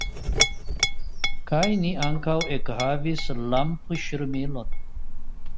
Kaj ni ankaŭ ekhavis lampŝirmilon.